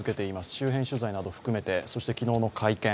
周辺取材など含めてそして昨日の会見